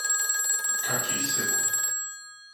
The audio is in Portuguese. Caqui seco